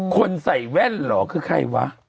คนใส่แว่นเหรอคือใครวะ